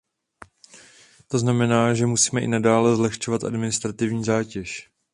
To znamená, že musíme i nadále zlehčovat administrativní zátěž.